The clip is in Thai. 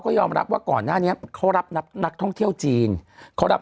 ก็ยอมรับว่าก่อนหน้านี้เขารับนับนักท่องเที่ยวจีนเขารับ